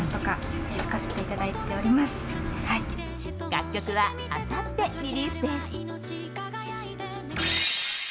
楽曲はあさってリリースです。